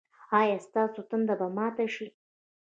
ایا ستاسو تنده به ماته شي؟